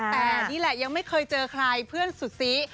แต่นี่แหละยังไม่เคยเจอใครเพื่อนสุดซี